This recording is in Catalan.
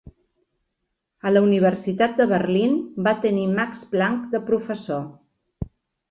A la Universitat de Berlín, va tenir Max Planck de professor.